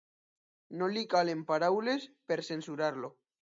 No li calen paraules, per censurar-lo.